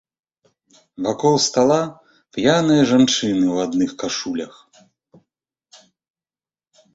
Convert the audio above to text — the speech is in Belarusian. Вакол стала п'яныя жанчыны ў адных кашулях.